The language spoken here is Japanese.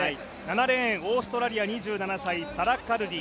７レーン、オーストラリア２７歳、サラ・カルリ。